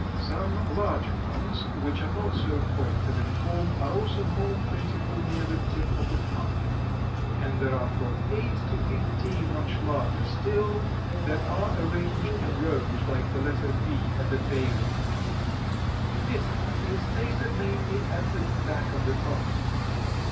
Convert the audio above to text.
Some larger ones which are not so pointed in form are also more plentiful near the tip of the tongue. And there are from eight to fifteen much larger still that are arranged in rows like the letter V at the base of the tongue. Bitter is tasted mainly at the back of the tongue.